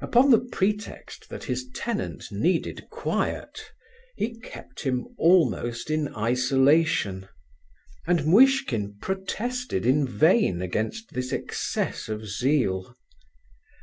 Upon the pretext that his tenant needed quiet, he kept him almost in isolation, and Muishkin protested in vain against this excess of zeal.